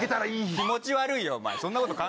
気持ち悪いよ、お前。